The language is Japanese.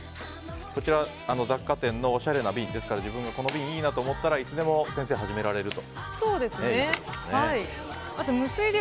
こちらは雑貨店のおしゃれな瓶など自分が、この瓶いいなと思ったらいつでも始められると。